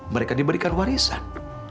mereka diberikan warisan